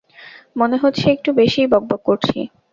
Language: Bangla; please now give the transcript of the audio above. মনে হচ্ছে একটু বেশিই বকবক করছি।